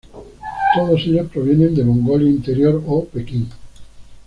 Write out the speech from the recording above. Todos ellos provienen de Mongolia Interior o Pekín.